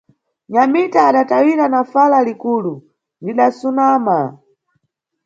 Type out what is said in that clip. Nyamita adatayira na fala likulu: Ndidasunama.